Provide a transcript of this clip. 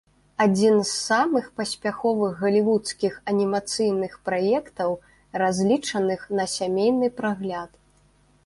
Адзін з самых паспяховых галівудскіх анімацыйных праектаў, разлічаных на сямейны прагляд.